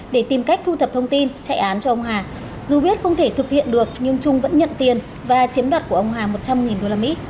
để tìm cách thu thập thông tin chạy án cho ông hà dù biết không thể thực hiện được nhưng trung vẫn nhận tiền và chiếm đoạt của ông hà một trăm linh usd